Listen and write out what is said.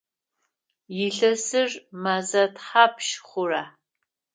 Илъэсыр мэзэ тхьапш хъура?